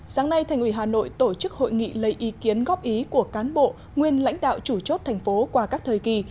sáng nay thành ủy hà nội tổ chức hội nghị lấy ý kiến góp ý của cán bộ nguyên lãnh đạo chủ chốt thành phố qua các thời kỳ